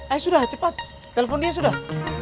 eh sudah cepat telepon dia sudah